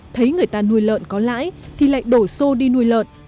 thấy người ta nuôi lợn có lãi thì lại đổ xô đi nuôi lợn